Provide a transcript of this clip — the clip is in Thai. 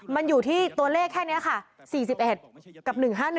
มันอยู่ที่ตัวเลขแค่นี้ค่ะ๔๑กับ๑๕๑